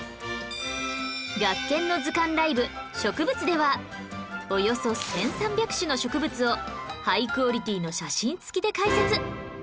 『学研の図鑑 ＬＩＶＥ 植物』ではおよそ１３００種の植物をハイクオリティーの写真付きで解説！